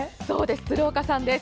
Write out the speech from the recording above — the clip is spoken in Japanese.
鶴岡さんです。